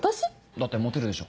だってモテるでしょ。